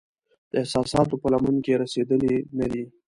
د احساساتو په لمن کې رسیدلې نه دی